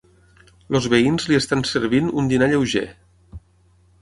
Els veïns li estan servint un dinar lleuger.